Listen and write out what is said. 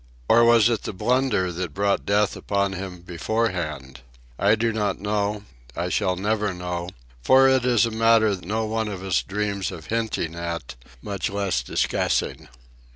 Or was it the blunder that brought death upon him beforehand? I do not know, I shall never know; for it is a matter no one of us dreams of hinting at, much less discussing.